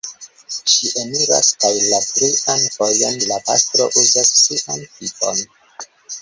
Ŝi eniras kaj la trian fojon la pastro uzas sian pipon...